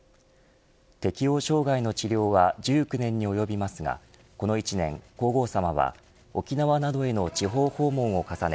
適応障害の治療は１９年に及びますがこの１年、皇后さまは沖縄などへの地方訪問を重ね